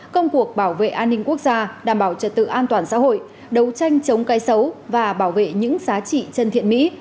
công cuộc bảo vệ an ninh quốc gia đảm bảo trật tự an toàn xã hội đấu tranh chống cái xấu và bảo vệ những giá trị chân thiện mỹ